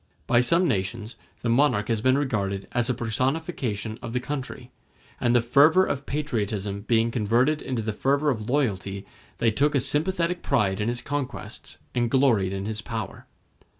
By some nations the monarch has been regarded as a personification of the country; and the fervor of patriotism being converted into the fervor of loyalty, they took a sympathetic pride in his conquests, and gloried in his power.